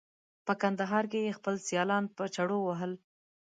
په کندهار کې یې خپل سیالان په چړو وهل.